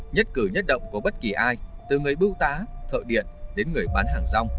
nhất cử nhất động của bất kỳ ai từ người bưu tá thợ điện đến người bán hàng rong